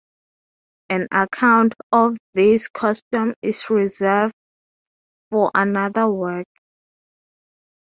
An account of these customs is reserved for another work.